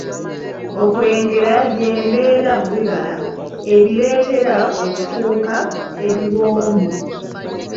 Okwengera y'embeera mu bibala ebireetera okufuuka ebiwoomu.